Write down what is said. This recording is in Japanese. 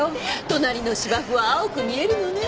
隣の芝生は青く見えるのね。